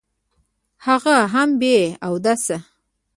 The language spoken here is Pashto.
هغه هم بې اوداسه.